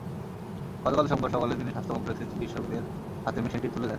গতকাল সোমবার সকালে তিনি স্বাস্থ্য কমপ্লেক্সের চিকিৎসকদের হাতে মেশিনটি তুলে দেন।